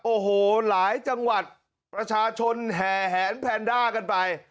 โอ้โหหลายจังหวัดประชาชนแห่แหนแพนด้ากันไป